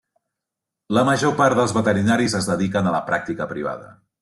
La major part dels veterinaris es dediquen a la pràctica privada.